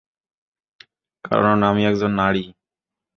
কারণ আমি একজন নারী!